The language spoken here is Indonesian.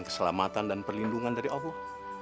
keselamatan dan perlindungan dari allah